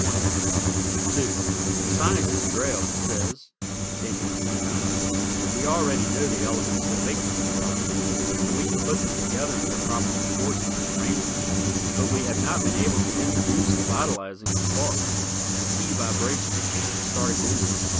2 The scientist, Drayle, says, (page 129) "We already know the elements that make the human body, and we can put them together in the their proper proportions and arrangements; but we have not been able to introduce the vitalizing spark, the key vibrations, to start it going."